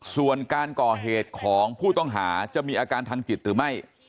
ส่วนการก่อเหตุของผู้ต้องหาจะมีอาการทางจิตหรือไม่